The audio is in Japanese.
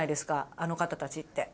あの方たちって。